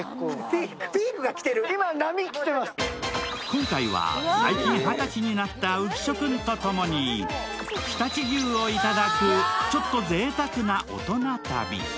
今回は最近二十歳になった浮所君と共に、常陸牛を頂くちょっとぜいたくな大人旅。